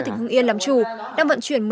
tỉnh hưng yên làm chủ đang vận chuyển